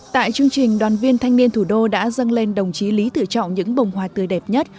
tại chương trình đoàn viên thanh niên thủ đô đã dâng lên đồng chí lý tự trọng những bồng hoa tươi đẹp nhất